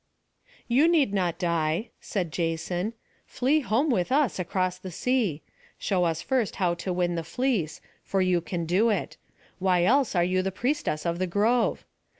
"You need not die," said Jason. "Flee home with us across the sea. Show us first how to win the fleece; for you can do it. Why else are you the priestess of the grove?